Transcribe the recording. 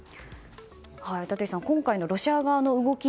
立石さん、今回のロシア側の動き